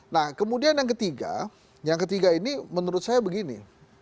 nah kemudian yang ketiga yang ketiga ini menurut saya begini